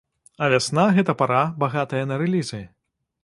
А вясна, гэта пара, багатая на рэлізы.